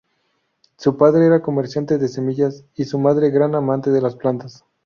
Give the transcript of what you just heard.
Su padre era comerciante de semillas, y su madre gran amante de las plantas.